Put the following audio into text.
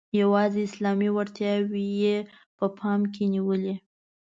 یوازي اسلامي وړتیاوې یې په پام کې ونیولې.